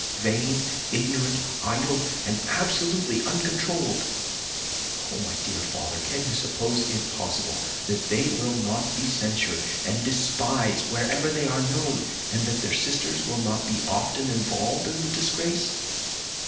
Vain, ignorant, idle, and absolutely uncontrolled! Oh, my dear father, can you suppose it possible that they will not be censured and despised wherever they are known, and that their sisters will not be often involved in the disgrace?"